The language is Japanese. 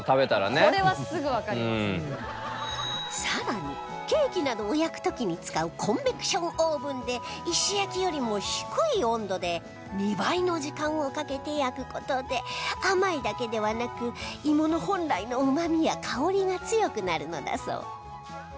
更にケーキなどを焼く時に使うコンベクションオーブンで石焼きよりも低い温度で２倍の時間をかけて焼く事で甘いだけではなく芋の本来のうまみや香りが強くなるのだそう